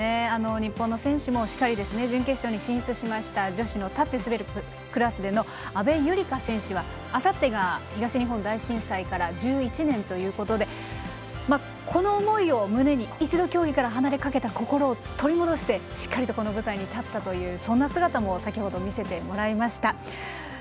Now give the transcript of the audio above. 日本の選手もしっかり準決勝に進出しました女子の立って滑るクラスでの阿部友里香選手はあさってが東日本大震災から１１年ということでこの思いを胸に一度、競技から離れかけた心を取り戻してしっかりこの舞台に立ったというそんな姿も先ほど見せてもらいました。